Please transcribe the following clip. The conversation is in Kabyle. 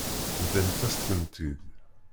Bḍant-as-ten-id.